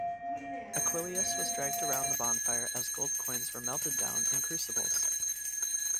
Aquillius was dragged around the bonfire as gold coins were melted down in crucibles.